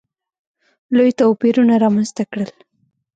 لوی توپیرونه رامځته کړل.